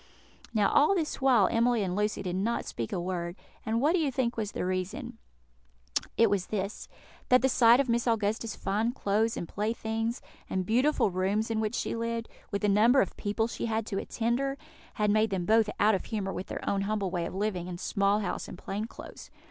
Now all this while Emily and Lucy did not speak a word; and what do you think was the reason? It was this: that the sight of Miss Augusta's fine clothes and playthings, and beautiful rooms in which she lived, with the number of people she had to attend her, had made them both out of humour with their own humble way of living, and small house and plain clothes.